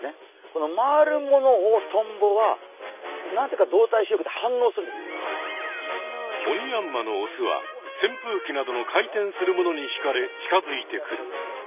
この回るものをトンボはなぜかオニヤンマのオスは扇風機などの回転するものに引かれ近づいてくる。